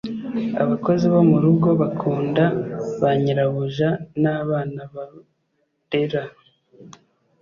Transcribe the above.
Abakozi bo murugo bakunda banyirabuja na abana barera